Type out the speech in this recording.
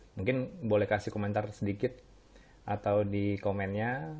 mungkin boleh kasih komentar sedikit atau di komennya